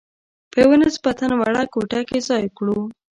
په یوه نسبتاً وړه کوټه کې ځای کړو.